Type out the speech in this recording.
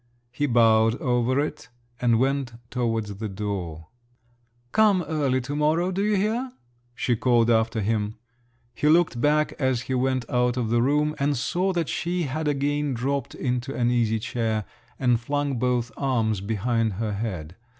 He bowed over it, and went towards the door. "Come early to morrow—do you hear?" she called after him. He looked back as he went out of the room, and saw that she had again dropped into an easy chair, and flung both arms behind her head.